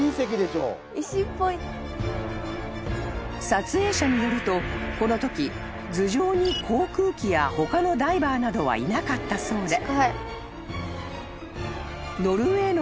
［撮影者によるとこのとき頭上に航空機や他のダイバーなどはいなかったそうで］